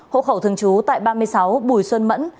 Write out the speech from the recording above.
hộ khẩu thường trú tại ba mươi sáu bùi xuân mẫn